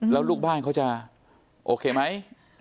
แล้วลูกบ้านเขาจะโอเคไหม